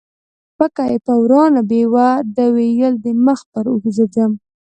پکه یې په وراه نه بیوه، دې ویل د مخ پر اوښ زه ځم